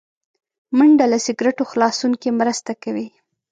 منډه له سګرټو خلاصون کې مرسته کوي